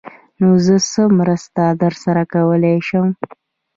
_نو زه څه مرسته درسره کولای شم؟